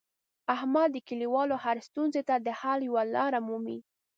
احمد د کلیوالو هرې ستونزې ته د حل یوه لاره مومي.